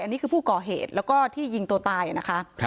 อันนี้คือผู้ก่อเหตุแล้วก็ที่ยิงตัวตายนะคะ